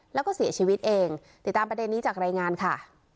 แล้วก็เสียชีวิตเองติดตามประเด็นนี้จากรายงานค่ะ